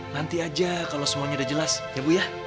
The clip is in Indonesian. nanti aja kalau semuanya udah jelas ya bu ya